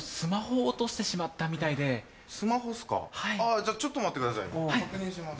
じゃあちょっと待ってください確認します。